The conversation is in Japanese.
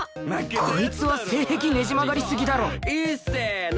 こいつは性癖ねじ曲がりすぎだろ！いっせーの！